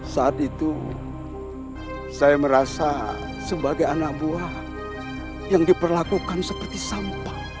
saat itu saya merasa sebagai anak buah yang diperlakukan seperti sampah